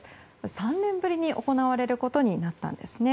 ３年ぶりに行われることになったんですね。